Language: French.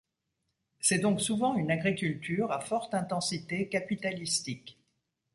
C'est donc souvent une agriculture à forte intensité capitalistique.